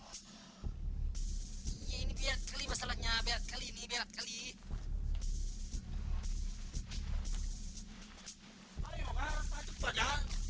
jadi langgana air warnanya